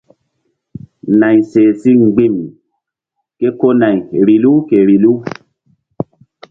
Nayri seh si mgbi̧m ke ko nay vbilu ke vbilu.